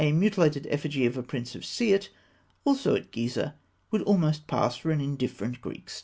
A mutilated effigy of a Prince of Siût, also at Gizeh, would almost pass for an indifferent Greek statue.